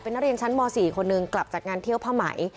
นักเรียนชั้นม๔คนหนึ่งกลับจากงานเที่ยวผ้าไหม